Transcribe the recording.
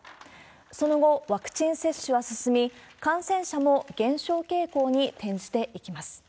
その後、ワクチン接種は進み、感染者も減少傾向に転じていきます。